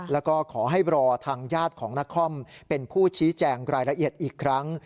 แล้วก็ขอให้รอทางญาติของนครเป็นผู้ชี้แจงรายละเอียดอีกครั้ง